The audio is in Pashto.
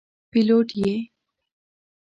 پیلوټ یې.